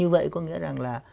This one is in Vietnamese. vậy có nghĩa rằng là